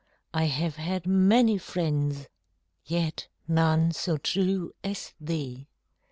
I have had many friends, Yet none so true as thee!